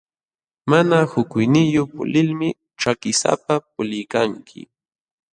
Mana hukuyniyuq pulilmi ćhakisapa puliykanki.